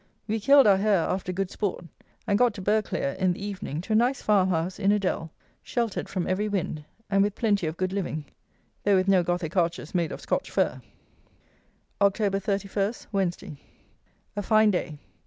We killed our hare after good sport, and got to Berghclere in the evening to a nice farm house in a dell, sheltered from every wind, and with plenty of good living; though with no gothic arches made of Scotch fir! October 31. Wednesday. A fine day.